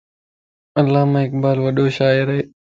علاما اقبال وڏو شاعر ا